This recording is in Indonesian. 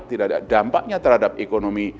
tidak ada dampaknya terhadap ekonomi